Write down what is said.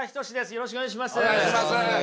よろしくお願いします。